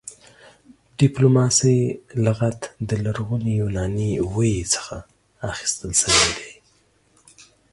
ډيپلوماسۍ لغت د لرغوني يوناني ویي څخه اخيستل شوی دی